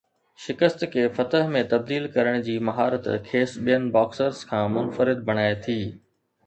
شڪست کي فتح ۾ تبديل ڪرڻ جي مهارت کيس ٻين باڪسرز کان منفرد بڻائي ٿي